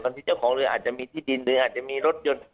ที่เจ้าของเรืออาจจะมีที่ดินหรืออาจจะมีรถยนต์